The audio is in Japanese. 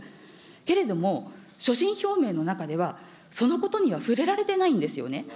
けれども、所信表明の中では、そのことには触れられていないんですよね。